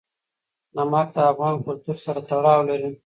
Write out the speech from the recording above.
نمک د افغان کلتور سره تړاو لري.